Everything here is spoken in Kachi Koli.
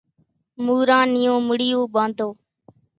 موران نِيون مُڙِيون ٻانڌو۔